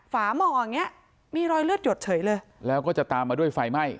ฝ่ออย่างเงี้ยมีรอยเลือดหยดเฉยเลยแล้วก็จะตามมาด้วยไฟไหม้